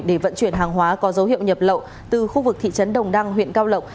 để vận chuyển hàng hóa có dấu hiệu nhập lậu từ khu vực thị trấn đồng đăng huyện cao lộc